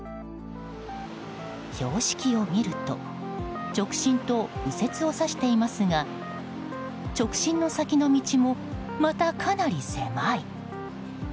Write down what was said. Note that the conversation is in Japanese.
標識を見ると直進と右折を指していますが直進の先の道もまたかなり狭い。